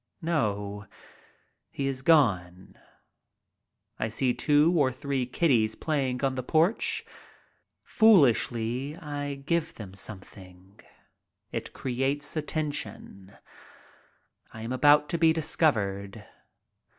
No, he is gone. I see two or three kiddies playing on the porch. THE HAUNTS OF MY CHILDHOOD 57 Foolishly, I give them something. It creates attention. I am about to be discovered.